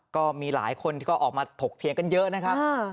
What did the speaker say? ก็มีหลายคนที่ก็ออกมาถกเถียงกันเยอะนะครับ